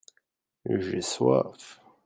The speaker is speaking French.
j'ai soif.